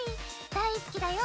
大好きだよ。